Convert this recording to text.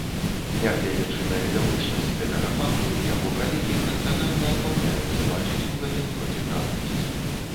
Нягледзячы на відавочнасць гэтага факту, яго калегі прадказальна адмаўляюцца бачыць у гэтым проціпраўнасць.